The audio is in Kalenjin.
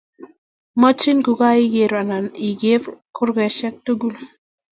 Makchin kokaiker anan iker kurgoshek tugul